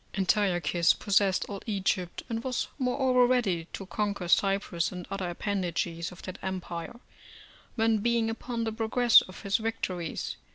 Antiochus possessed all Egypt, and was, moreover, ready to conquer Cyprus and other appendages of that empire: when being upon the progress of his victories, C.